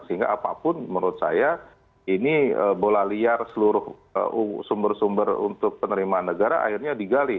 sehingga apapun menurut saya ini bola liar seluruh sumber sumber untuk penerimaan negara akhirnya digali